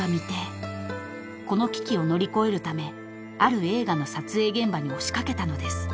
［この危機を乗り越えるためある映画の撮影現場に押し掛けたのです］